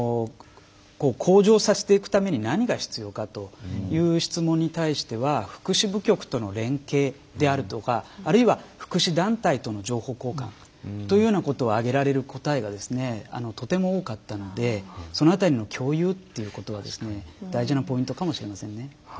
向上させていくために何が必要かという質問に対しては福祉部局との連携であるとかあるいは福祉団体との情報交換というようなことを挙げられる答えがとても多かったのでその辺りの共有ということが大事なポイントかもしれませんね。